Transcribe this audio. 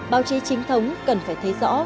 báo chí chính thống cần phải thấy rõ